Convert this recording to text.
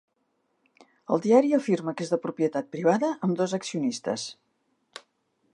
El diari afirma que és de propietat privada, amb dos accionistes.